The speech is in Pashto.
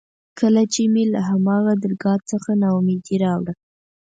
کله چې مې له هماغه درګاه څخه نا اميدي راوړه.